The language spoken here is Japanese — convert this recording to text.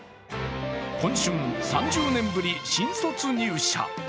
今春３０年ぶり新卒入社。